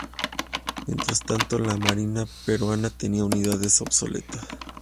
Mientras tanto, la Marina peruana tenía unidades obsoletas.